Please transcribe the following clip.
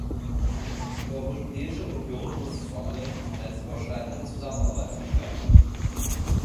Die Europäische Union muss vor allem die grenzüberschreitende Zusammenarbeit verstärken.